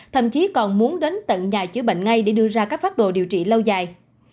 thậm chí còn muốn đến tận nhà chữa bệnh ngay để đưa ra các phác đồ điều trị lâu dài